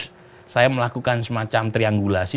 dan saya lakukan semacam triangulasi